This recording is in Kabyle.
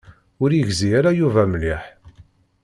Ur yegzi ara Yuba mliḥ.